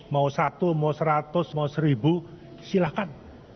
mau satu mau seratus mau seribu silahkan